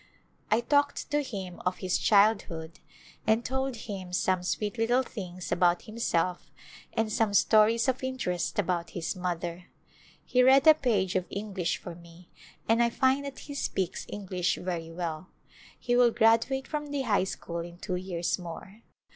I talked to him of his childhood and told him some sweet little things about himself and some stories of interest about his mother. He read a page of English for me and I find that he speaks English very well. He will graduate from the high school in two years more.